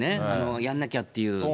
やんなきゃっていう。